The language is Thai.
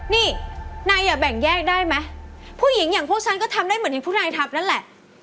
นี่นายอย่าแบ่งแยกได้ไหมผู้หญิงอย่างพวกฉันก็ทำได้เหมือนที่ผู้นายทำนั่นแหละ